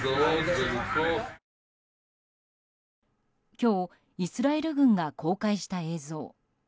今日、イスラエル軍が公開した映像。